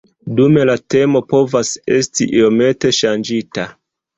Dume la temo povas esti iomete ŝanĝita.